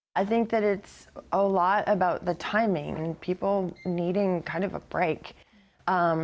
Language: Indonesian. saya pikir itu banyak mengenai waktu dan orang membutuhkan perbicaraan